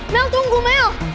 mel tunggu mel